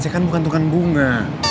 saya kan bukan tukang bunga